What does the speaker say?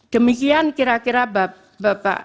demikian kira kira bapak